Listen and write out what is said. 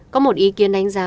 có một ý kiến đánh giá